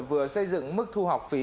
vừa xây dựng mức thu học phí